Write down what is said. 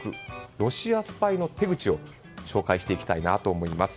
ロシアスパイの手口を紹介していきたいなと思います。